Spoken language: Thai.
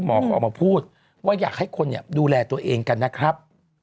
หมอเขาออกมาพูดว่าอยากให้คนดูแลตัวเองกันนะครับ